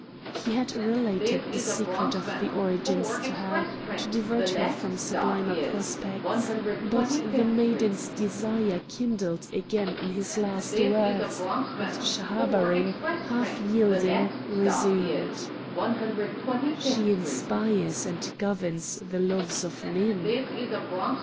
He had related the secret of the origins to her, to divert her from sublimer prospects; but the maiden's desire kindled again at his last words, and Schahabarim, half yielding resumed: "She inspires and governs the loves of men."